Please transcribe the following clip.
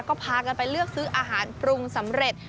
ก็พากันไปเลือกซื้ออาหารปรุงสำเร็จ